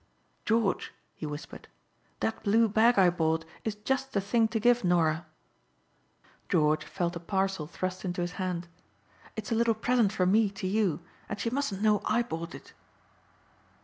"George," he whispered, "that blue bag I bought is just the thing to give Norah." George felt a parcel thrust into his hand. "It's a little present from me to you and she mustn't know I bought it."